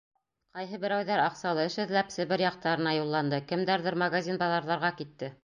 Ҡайһы берәүҙәр, аҡсалы эш эҙләп, Себер яҡтарына юлланды, кемдәрҙер магазин-баҙарҙарға китте.